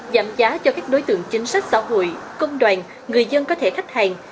giảm giá cho các đối tượng chính sách xã hội công đoàn người dân có thể khách hàng